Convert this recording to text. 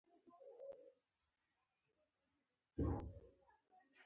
ډېری موندل شوي افراد ښځې او ماشومان وو.